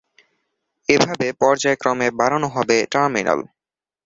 এভাবে পর্যায়ক্রমে বাড়ানো হবে টার্মিনাল।